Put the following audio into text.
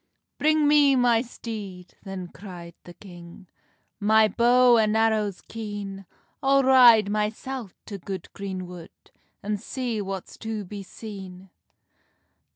"Bring me my steed," then cry'd the king, "My bow and arrows keen; I'll ride mysel to good green wood, An see what's to be seen."